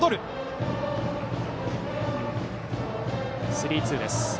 スリーツーです。